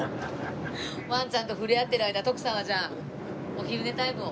ワンちゃんと触れ合ってる間徳さんはじゃあお昼寝タイムを。